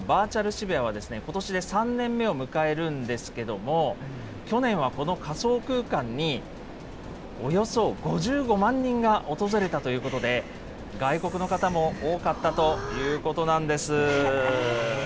渋谷は、ことしで３年目を迎えるんですけども、去年はこの仮想空間におよそ５５万人が訪れたということで、外国の方も多かったということなんです。